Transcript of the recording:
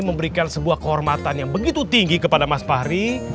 memberikan sebuah kehormatan yang begitu tinggi kepada mas fahri